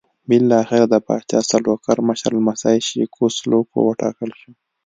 بالاخره د پاچا سلوکو مشر لمسی شېکو سلوکو وټاکل شو.